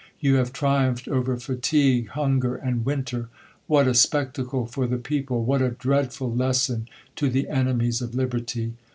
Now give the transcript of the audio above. You have triumphed over fatigue, hunger, and winter. What a spectacle for the people ! what a dreadful lesson to the enemies of liberty